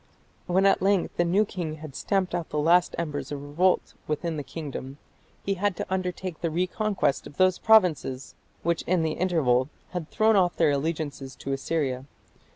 When at length the new king had stamped out the last embers of revolt within the kingdom, he had to undertake the reconquest of those provinces which in the interval had thrown off their allegiance to Assyria.